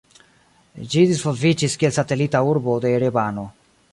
Ĝi disvolviĝis kiel satelita urbo de Erevano.